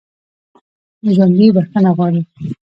ژوندي بخښنه غواړي